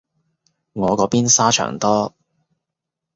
我嗰邊沙場多